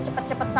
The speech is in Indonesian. tapi apte temennya